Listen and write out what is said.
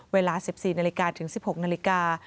เวลา๑๔นาฬิกาถึง๑๖นาฬิกา